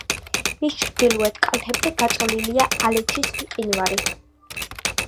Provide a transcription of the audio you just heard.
მის ჩრდილოეთ კალთებზე გაწოლილია ალეჩის მყინვარი.